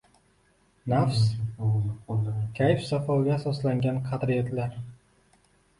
Nafs, kayf-safoga asoslangan qadriyatlar